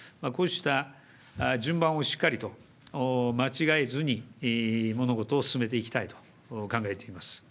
こうした順番をしっかりと間違えずに物事を進めていきたいと考えております。